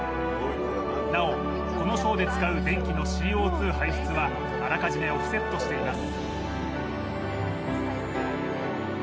なお、このショーで使う電気のＣＯ２排出はあらかじめオフセットしています。